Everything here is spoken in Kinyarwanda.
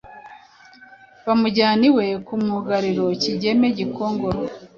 Bamujyana iwe ku Mwugariro Kigeme Gikongoro.